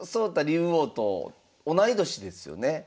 竜王と同い年ですよね。